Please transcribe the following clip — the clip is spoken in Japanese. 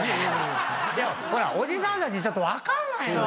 おじさんたちちょっと分かんないの！